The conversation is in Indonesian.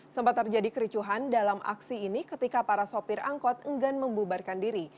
sempat terjadi kericuhan dalam aksi ini ketika para sopir angkot enggan membubarkan diri